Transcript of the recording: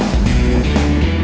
udah bocan mbak